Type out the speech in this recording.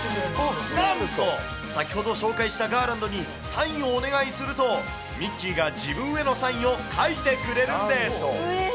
なんと、先ほど紹介したガーランドにサインをお願いすると、ミッキーが自分へのサインを書いてくれるんです。